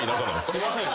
すいません。